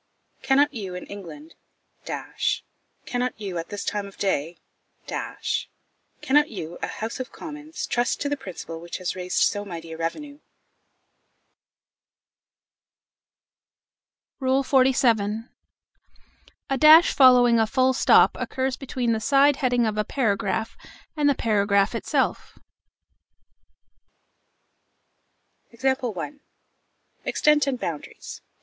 Cannot you, in England cannot you, at this time of day cannot you, a House of Commons, trust to the principle which has raised so mighty a revenue? XLVII. A dash following a full stop occurs between the side heading of a paragraph and the paragraph itself. _Extent and Boundaries.